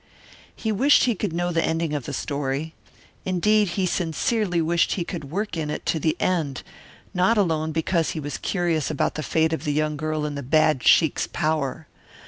He wished he could know the ending of the story. Indeed he sincerely wished he could work in it to the end, not alone because he was curious about the fate of the young girl in the bad sheik's power.